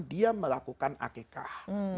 dia melakukan akekah